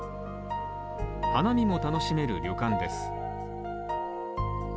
花見も楽しめる旅館です。